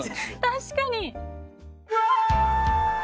確かに。